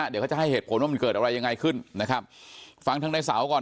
เดี๋ยวเขาจะให้เหตุผลว่ามันเกิดอะไรยังไงขึ้นนะครับฟังทางในเสาก่อน